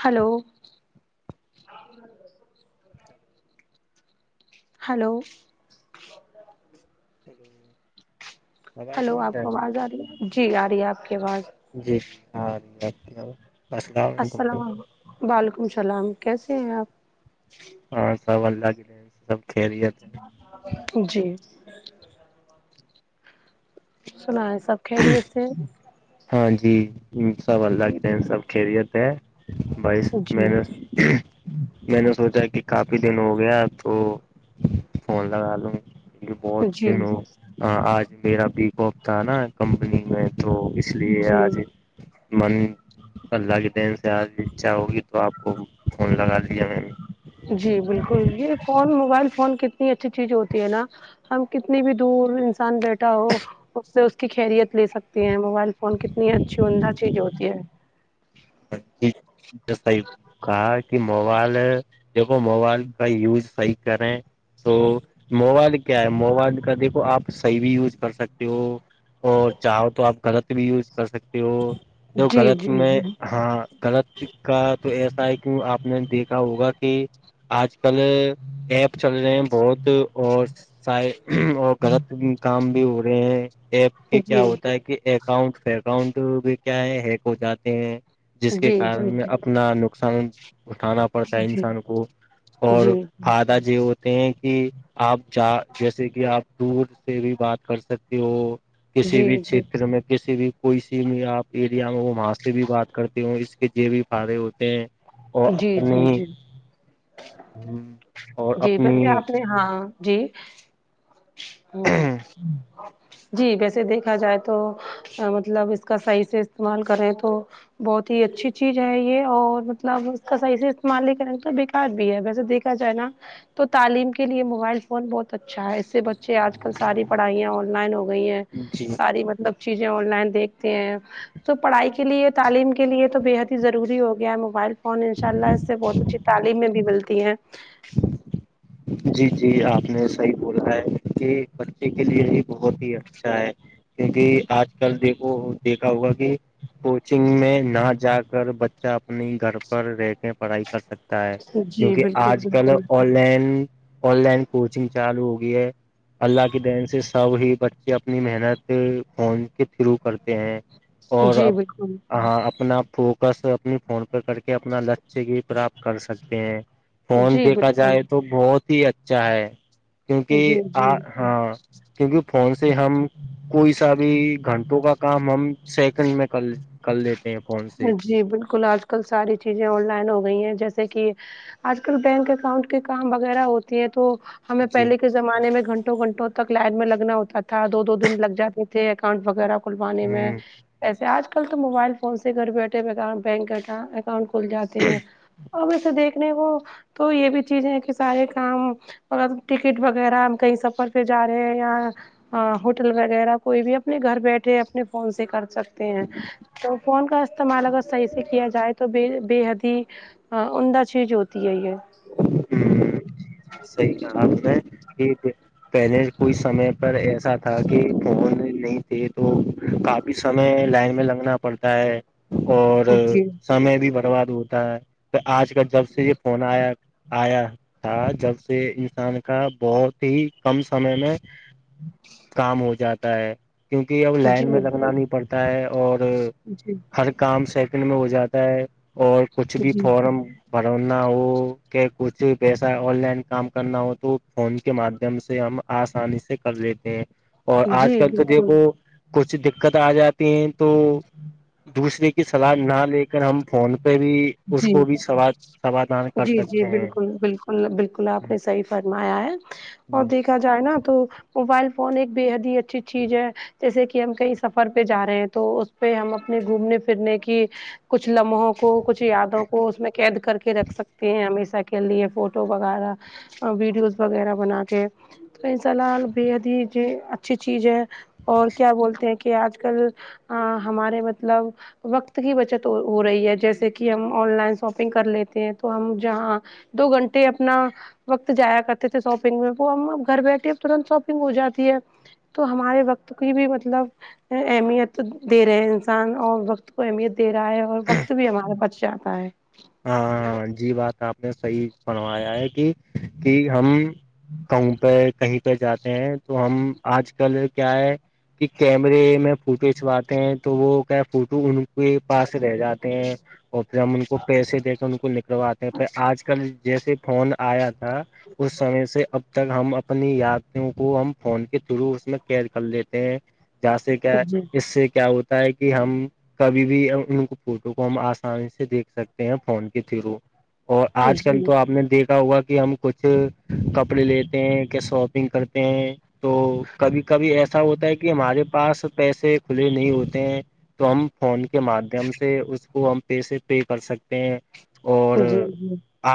hello ا ل hello جی ہلو آپ کو آواز آ رہی ہے جی آ رہی ہے آپ کی آواز جی جی آ رہی ہے آپ بس السلام علیکم السلام وعلیکم السلام کیسے ہیں آپ ہاں سوال لگے سب کہریی جی سنا ہے سب کرییے تھ ہاں جی سب اللہ کے بہن سب خیریت ہے بائی جی میں نے ہ میں نے سوچا کہ کافی دن ہو گیا تو فون لگا لوں یہ بہت جی دن ہو آج میرا بییکپ تھا نا کمپنی میں تو اس لیے جی آج من اللہ کے دین سے آج اھا ہوگی تو آپ کو فون لگا جی میں جی بالکل یہ فون موبائل فون کتنی اچھی چیز ہوتی ہے نا ہم کتنی بھی دور انسان بیٹھا ہو اس سے اس کی خیریت لے سکتی ہیں موبائل فون کتنی اچھی عمدہ چیز ہوتی ہے جیس ہی کہا کہ موبال دیکھو موبائل کا یوز صحیح کریں تو موبائل کیا ہے موبائل کا دیکھو آپ صحیح بھی یوز کر سکتے ہو اور چاہو تو آپ غلط بھی یوز کر سکتے ہو جو جی غلط جی میں جی ہاں غلط کا تو ایسا ہے کیوں آپ نے دیکھا ہوگا کہ آج کل ایپ چل رہے ہیں بہت اور س اور غلط کام ہو رہے ہیں ایپ کے کیا جی ہوتا ہے کہ ایپ ؤنٹ فکنٹ بھی کیا ہے ہیک ہو جاتے ہیں جس کے جی جی کارن جی اب اپنا نقصان اٹھانا پڑتا ہے جی انسان کو اور جی فدہ یہ ہوتے ہیں کہ آپ جا جیسے کہ آپ دور سے بھی بات کر سکتے ہو کسی جی بھی جی چھیتر میں کسی بھی کوئی س بھی آپ ایریا میں ہو وہاں سے بھی بات کرتے ہو اس کے جو بھی فدے ہوتے ہیں اور جی جی اپنی جی اور جی ویسے اپنی آپ نے ہاں جی ہوں جی ویسے دیکھا جائے تو مطلب اس کا صحیح سے استعمال کریں تو بہت ہی اچھی چیز ہے یہ اور مطلب اس کا صحیح سے استعمال ہی کریں گ تو بیکار بھی ہے ویسے دیکھا جائے نا تو تعلیم کے لیے موبائل فون بہت اچھا ہے اس سے بچے آج کل ساری پڑھائیاں آن لائن ہوگی گئی ہیں جی ساری مطلب چیزیں آن لائن دیکھتے ہیں تو پڑھائی کے لیے تعلیم کے لیے تو بےحد ہی ضروری ہو گیا ہے موبائل اورن ان شاء اللہ اس سے بہت اچھی تعلیم میں بھی ملتی ہیں جی جی آپ نےسی بولا ہے کہ بچے کے لیے ہی بہت ہی اچھا ہے کیونکہ آج کل دیکھو دیکھا ہوگا کہ کوچنگ میں نہ جا کر بچہ اپنی گھر پر رہ کے پڑھائی کر سکتا ہے جی کیونکہ بالکل آج کل بالکل online online coaching چالو ہوگئی ہے اللہ کے دین سے سب ہی بچے اپنی محنت فون کے تھرو کرتے ہیں اور جی اب بالکل ہ اپنا فوکس اپنی فون پہ کر کے اپنا لچ اچے کی پراپت کر سکتے ہیں فون جی دیکھا بالکل جائے تو بہت ہی اچھا ہے جی کیونکہ آ جی ہاں کیونکہ فون سے ہم کوئی سا بھی گھنٹوں کا کام ہم سیکنڈ میں کر کر لیتے ہیں فون سے جی بالکل آج کل ساری چیزیں آن لائن ہو گئی ہیں جیسے کہ آج کل بینک اکاؤنٹ کے کام وغیرہ ہوتی ہیں تو ہمیں جی پہلے کے زمانے میں گھنٹوں گھنٹوں تک لائن میں لگنا ہوتا تھا دو دو دن لگ جاتے تھے اکاؤنٹ وغیرہ کھلوانے ہ میں ایسے آج کل تو موبائل فون سے گھر بیٹھے بینک بیٹھا اکاؤنٹ کو کھل جاتے ہیں اور وسے دیکھنے کو تو یہ بھی چیز ہے کہ سارے کام ا ٹکٹ وغیرہ ہم کہیں سفر پہ جا رہے ہیں اں ہ ہوٹل وغیرہ کوئی بھی اپنے گھر بیٹھے اپنے فون سے کر سکتے ہیں تو فون کا استعمال اگر صحیح سے کیا جائے تو بے بے حد ہی ہاں اندہ چیز ہوتی ہے ہی ہے ہ جی جی صحیح ہے آپ ہے پہلے کوئی سمے پر ایسا تھا کہ فون نہیں تھے تو کافی سمے لائن میں لگنا پڑتا ہے اور جی سمے بھی برباد ہوتا ہے تو آج کل جب سے یہ فون آیا آیا تھا جب سے انسان کا بہت ہی کم سمے میں کام ہو جاتا ہے کیونکہ اب لائن میں جی لگنا نہیں پڑتا ہے اور جی ہر کام سیکنڈ میں ہو جاتا ہے اور کچھ بھی جی فارم بھرونا ہو کہ کچھ پیسہ آن لائن کام کرنا ہو تو فون کے مادھیم سے ہم آسانی سے کر لیتے ہیں اور آج جی کل تو بالکل دیکھو کچھ دقت آ جات ہیں تو دوسرے کی سلاح نہ لے کر ہم فون پہ بھی اس جی کو بھی س سمادھان کرک جی جی بالکل بالکل بالکل آپ نے صحیح فرمایا ہے اور دیک دیکھا جائے نا تو موبائل فون ایک بے حد ہی اچھی چیز ہے جیسے کہ ہم کہیں سفر پہ جا رہے ہیں تو اس پہ ہم اپنے گھومنے پھرنے کی کچھ لمحوں کو کچھ یادوں کو اس میں قید کر کے رکھ سکتے ہیں ہمیشہ کے لیے فوٹو وغیرہ ویڈیوز وغیرہ بنا کے تو سلحال بے حد ہی جو اچھی چیز ہے اور کیا بولتے ہیں کہ آج کل ہمارے مطلب وقت کی بچت ہو رہی ہے جیسے کہ ہم آن لائن شاپنگ کر لیتے ہیں تو ہم جہاں دو گھنٹے اپنا وقت جایا کرتے تھے شاپنگ میں وہ ہم ا گھر بیٹھے ا تنت شاپنگ ہو جاتی ہے تو ہمارے وقت کی بھی مطلب اہمیت وقت دے رہے ہیں انسان اور وقت کو اہمیت دے رہا ہے اور وقت بھی ہمارے پچ جاتا ہے ہاں ہاں جی بات آپ نے صحیح بنوایا ہے کہ کہ ہم کہ پہ کہیں پہ جاتے ہیں تو ہم آج کل کیا ہے کہ کیمرے میں فوٹو کنچواتے ہیں تو وہ کیا فوٹو ان کے پاس رہ جاتے ہیں اور پھر ہم ان کو پیسے دے کر ان کو نکلواتے ہیں پ آج کل جیسے فون آیا تھا اس سمے سے اب تک ہم اپنی یادوں کو ہم فون کے تھرو اس میں کیئر کر لیتے ہیں جاں سے کیا جی اس سے کیا ہوتا کہ ہم کبھی بھی ان فوٹو کو ہم آسانی سے دیکھ سکتے ہیں فون کے تھرو اور جی آج کل تو جی آپ نے دیکھا ہوا کہ ہم کچھ کپڑے لیتے ہیں کیا شاپنگ کرتے ہیں تو کبھی کبھی ایسا ہوتا ہے کہ ہمارے پاس پیسے کھلے نہیں ہوتے ہیں تو ہم فون کے مادھیم سے اس کو ہم پی سے پے کر سکتے ہیں اور جی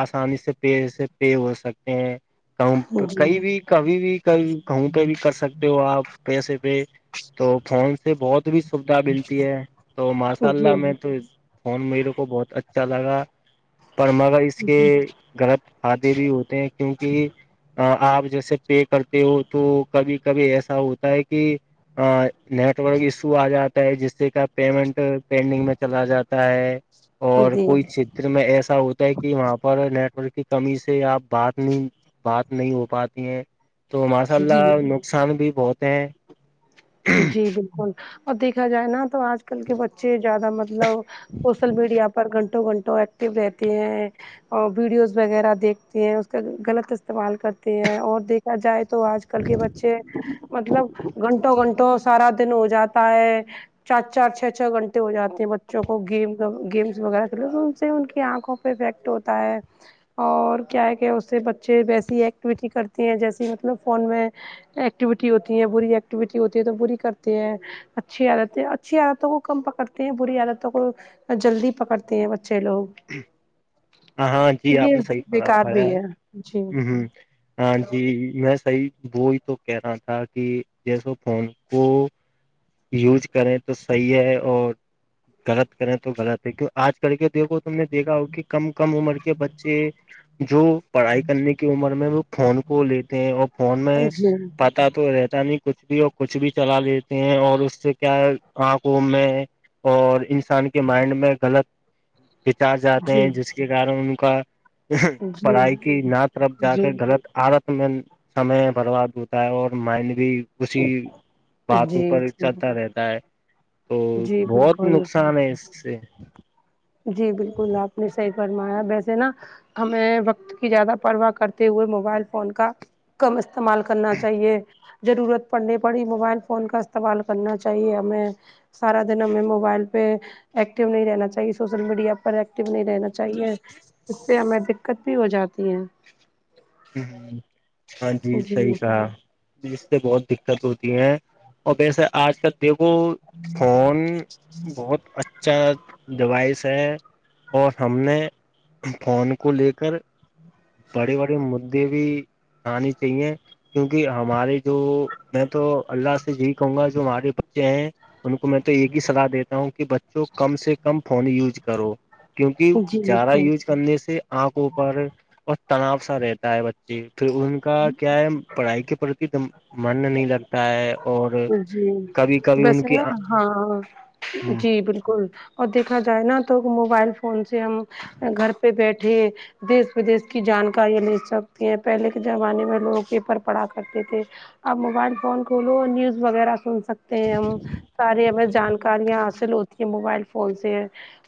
آسانی سے پ سے پے ہو سکتے ہیں کہ کئی جی بھی کبھی بھی ک کہ پہ بھی کر سکتے تے ہو آپ پیسے پہ تو فون سے بہت بھی سویدھا ملتی ہے تو ماشاء اللہ میں تو فون میرے کو بہت اچھا لگا پر مگر اس کے غلط فائدے بھی ہوتے ہیں کیونکہ آپ جیسے پے کرتے ہو تو کبھی کبھی ایسا ہوتا ہے کہ ا نیٹورک ایشو آ جاتا ہے جس سے کہ پیمنٹ پینڈنگ میں چلا جاتا ہے اور جی کوئی چ میں ایسا ہوتا ہے کہ وہاں پر نیٹورک کی کمی سے آپ بات نہیں بات نہیں ہو پاتی ہیں تو ماشاء جی جی اللہ نقصان بھی بہت ہیں جی بالکل اب دیکھا جائے نا تو آج کل کے بچے چے زیادہ مطلب سوشل میڈیا پر گھنٹوں گھنٹوں و رہتی ہیں اور ویڈیوز وغیرہ دیکھتی ہیں اس کا غلط استعمال کرتے ہیں اور دیکھا جائے تو آج کل کے بچے مطلب گھنٹوں گھنٹے دن ہو جاتا ہے چار چار چھ چھ گھنٹے ہو جاتے ہیں بچوں کو گیم گیمس وغیرہ کھیلے تو ان سے ان کی آنکھوں افیکٹ ہوتا ہے اور کیا ہے کہ اس سے بچے ویسی ایکٹیویٹی کرتی ہیں جیسیے مطلب فون میں ایکٹیویٹی ہوتی ہے بری ایکٹیویٹی ہوتی ہے تو بری کرتے ہیں اچھی عادتیں اچھی عادتوں کو کم پکڑتے ہیں بری عادتوں کو جلدی پکڑتے ہیں بچے لوگ ہ ہاں جی تو آپ یہ نے صحیح بیکار پااایا بھی ہے جی ہ ہ ہاں جی میں سی ب تو کہہ رہا تھا کہ جیسو فون کو یوج کریں تو صحیح ہے اور غلط کریں تو غلط ہے کیوں آج کر کے دیکھو تم نے دیکھا ہوگ کہ کم کم عمر کے بچے جو پڑھائی کرنے کی عمر میں وہ فون کو لیتے ہیں اور فون میں جی پات تو رہتا نہیں کچھ بھی اور کچھ بھی چلا لیتے ہیں اور اس سے کیا آنکھوں میں اور انسان کے مائنڈ میں غلط بچار جاتے جی ہیں جی جس کے کارن ان کا پڑھائی کی نہ طرف جا جی کر غلط عادت سمے برباد ہوتا ہے اور مائڈ بھی اسسی بات جی اوپر جی رہتا ہے تو جی بہت بالکل نقصان ہے اس سے جی بالکل آپ نے صحیح فرمایا ویسے نا ہمیں وقت کی زیادہ پرواہ کرتے ہوئے موبائل فون کا کم استعمال کرنا چاہیے ضرورت پڑنی پڑی موبائل فون کا استعمال کرنا چاہیے ہمیں سارا دن ہمیں موبائل پہ ایکٹیو نہیں رہنا چاہیے سوشل میڈیا پر ایکٹو نہیں رہنا چاہیے اس سے ہمیں دقت بھی ہو جاتی ہے ہ ہاں جی صحی کہا جس سے بہت دقت ہوتی ہے اور ویسے آج کل دیکھو فون بہت اچھا ڈوائس ہے اور ہم نے فون کو لے کر بڑے بڑے مے د بھی آانی چاہیے کیونکہ ہمارے جو میں تو اللہ سے جی کہوں گا جو ہمارے بچے ہیں ان کو میں تو یہ ہی صلاح دیتا ہوں کہ بچوں کم سے کم فون یوج کرو کیونکہ جی جارا جی یوز کرنے سے آنکھوں اوپر اور تناؤ سا رہتا بچے پھر ان کا کیا ہے پڑھائی کے پرتی من نہیں لگتا ہے اور جی کبھی کبھی ان ویسے کی نا ہاں جی بالکل اور دیکھا جائے نا تو موبائل فون سے ہم گھر پہ بیٹھے دیس ودیش کی جانکاریاں لے سکتی ہیں پہلے کے زمانے میں لوگ پیپر پڑا کرتے تھے اب موبائل فون کھولو نیوز وغیرہ سن سکتے ہیں ہم سارے ہمیں جان کاریاں حاصل ہوتی ہیں موبائل فون سے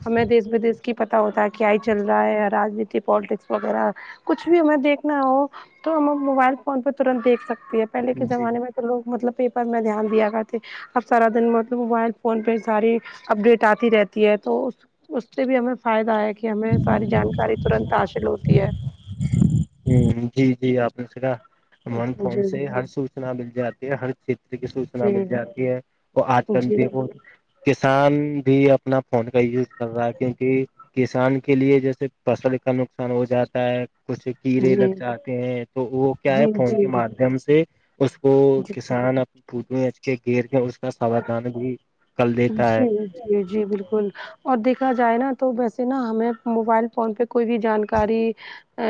ہمیں دیس بدیس کی پت ہوتا ہے کیا ہی چل رہا ہے رانیتی پالیٹکس وغیرہ کچھ بھی ہمیں دیکھنا ہو تو ہم موبائل فون پہ ترنت دیکھ سکتی ہے پہلے کے جی زمانے میں تو لوگ مطلب پیپر میں دھیان دیا کرتے اب سارا دن مطلب موبائل فون پہ ساری اپڈیٹ آتی رہتی ہے تو اس سے بھی ہمیں فائدہ ہے کہ ہمیں ساری جانکاری ترنت حاصل ہوتی ہے ہ جی جی آپ نے سرا من فون جی سے ہر سوچنا مل جاتی ہے ہر چتر کی سوچنا جی مل جاتی ہے اور آج کل جی دیک کسان بھی اپنا فون کا یوز کر رہا ہے کیونکہ کسان کے لیے جیسے فصل کا نقصان ہو جاتا ہے کچھ کیڑے جی لگ جاتے ہیں تو وہ کیا ہے جی فون کے جی مادھیم سے اس کو جی کسان پھٹوے ہنچ کے گھیر کے اس کا سادان بھی کر دیتا ہے جی جی جی بالکل اور دیکھا جائے نا تو ویسے نا ہمیں موبائل فون پہ کوئی بھی جانکاری ا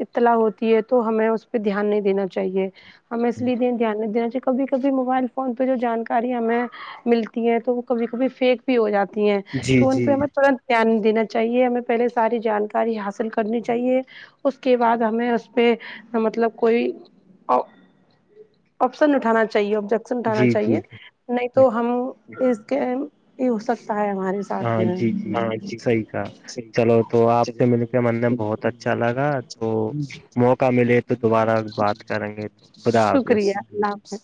اطلاع ہوتی ہے تو ہمیں اس پہ دھیان نہیں دینا چاہیے ہمیں اس لیے دھیان نہیں دینا چاہیے کبھی کبھی موبائل فون پہ جو جانکاری ہمیں ملتی ہے تو وہ کبھی کبھی فیک بھی ہو جاتی ہیں جی تو ان جی پہ ہمیں ترنت دان دینا چاہیے ہمیں پہلے ساری جانکاری حاصل کرنی چاہیے اس کے بعد ہمیں اس پہ مطلب کوئی آپشنٹانا چاہے آبجیکٹ سٹانا جی جی چاہیے نہیں تو ہم اس یہ ہو سکتا ہے ہمارے سے جی ہاں جی صحیح کہا چلو تو آپ جیحی سے مل کے من نے ہے بہت اچھا لگا تو موقع ملے تو دوبارہ بات کریں گے تو خدا حافظ شکریہ اللہ ج